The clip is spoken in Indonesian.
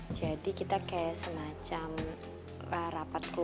pasti aku inspirasi katherine diinto kan